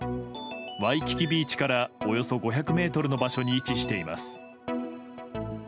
ワイキキビーチからおよそ５００ｍの場所に位置しています。